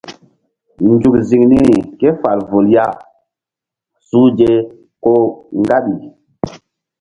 Nzuk ziŋ niri ke fal vul ya suhze ko ŋgaɓi.